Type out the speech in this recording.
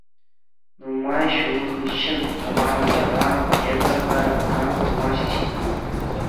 Нумай ҫул хыҫҫӑн тӑван яла эпӗ пӗр ӑна курма ҫеҫ килнӗ.